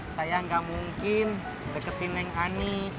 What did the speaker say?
saya gak mungkin deketin neng ani